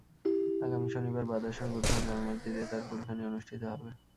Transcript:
আগামী শনিবার বাদ আসর গুলশান জামে মসজিদে তাঁর কুলখানি অনুষ্ঠিত হবে।